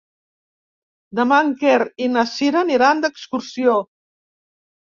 Demà en Quer i na Cira aniran d'excursió.